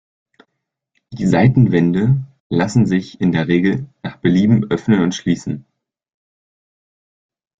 Die Seitenwände lassen sich in der Regel nach Belieben öffnen und schließen.